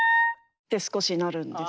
って少しなるんです。